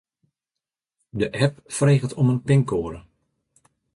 De app freget om in pinkoade.